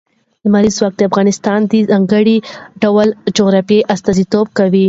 لمریز ځواک د افغانستان د ځانګړي ډول جغرافیه استازیتوب کوي.